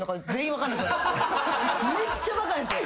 めっちゃバカなんですよ。